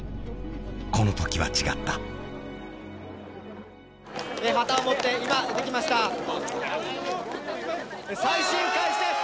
この時は違った・旗を持って今出てきました・再審開始です